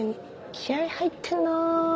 気合い入ってんな。